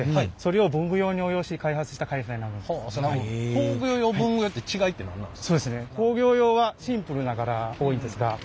工業用文具用って違いって何なんですか？